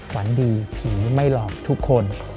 ฝันดีผีไม่หลอกทุกคน